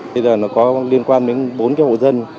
bây giờ nó có liên quan đến bốn cái hộ dân